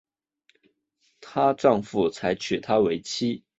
她丈夫才娶她为妻